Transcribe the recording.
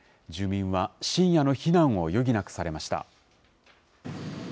住民は深夜の避難を余儀なくされました。